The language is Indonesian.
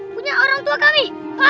punya orang tua kami